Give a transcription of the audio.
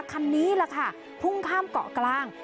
คันนี้แหละค่ะพุ่งข้ามเกาะกลาง